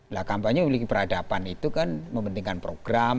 nah kampanye miliki peradaban itu kan mempentingkan program